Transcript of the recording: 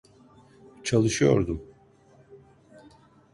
Çalışıyordum.